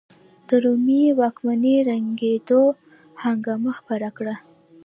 د رومي واکمنۍ ړنګېدو هنګامه خپره کړه.